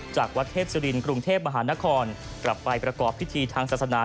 จากวัดเทพศิรินกรุงเทพมหานครกลับไปประกอบพิธีทางศาสนา